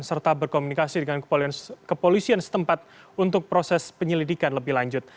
serta berkomunikasi dengan kepolisian setempat untuk proses penyelidikan lebih lanjut